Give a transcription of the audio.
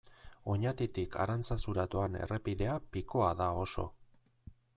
Oñatitik Arantzazura doan errepidea pikoa da oso.